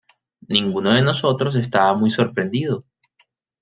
Ninguno de nosotros estaba muy sorprendido.